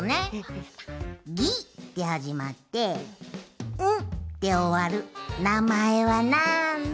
「ギ」ではじまって「ン」でおわるなまえはなんだ？